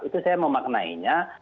itu saya memaknainya